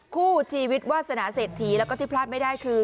คู่ชีวิตวาสนาเศรษฐีแล้วก็ที่พลาดไม่ได้คือ